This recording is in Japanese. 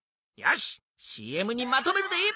よしＣＭにまとめるで！